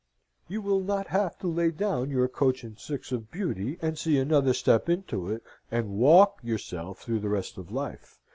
You will not have to lay down your coach and six of beauty and see another step into it, and walk yourself through the rest of life.